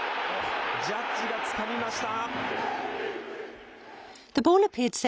ジャッジがつかみました。